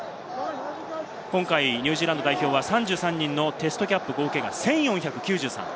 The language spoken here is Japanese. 今回ニュージーランド代表は３３人のテストキャップ、合計１４９３。